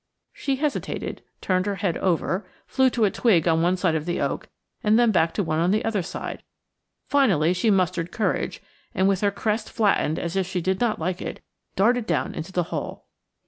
She hesitated, turned her head over, flew to a twig on one side of the oak and then back to one on the other side. Finally she mustered courage, and with her crest flattened as if she did not like it, darted down into the hole.